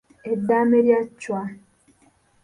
Eddaame lya Chwa.